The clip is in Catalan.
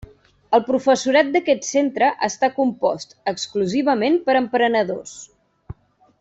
El professorat d'aquest centre està compost exclusivament per emprenedors.